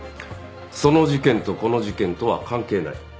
その事件とこの事件とは関係ない。